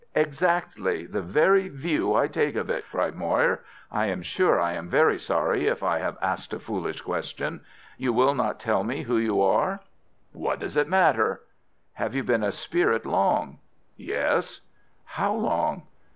"Exactly—the very view I take of it," cried Moir. "I am sure I am very sorry if I have asked a foolish question. You will not tell me who you are?" "What does it matter?" "Have you been a spirit long?" "Yes." "How long?"